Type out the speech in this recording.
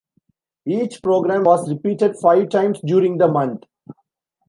Each program was repeated five times during the month.